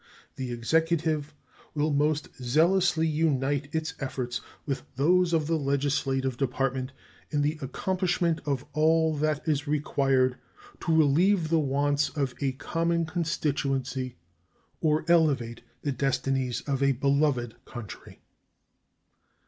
The executive will most zealously unite its efforts with those of the legislative department in the accomplishment of all that is required to relieve the wants of a common constituency or elevate the destinies of a beloved country.